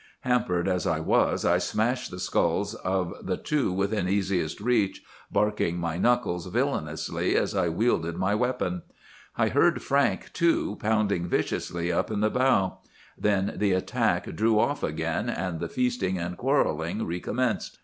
"Hampered as I was I smashed the skulls of the two within easiest reach, barking my knuckles villanously as I wielded my weapon. I heard Frank, too, pounding viciously up in the bow. Then the attack drew off again, and the feasting and quarrelling recommenced.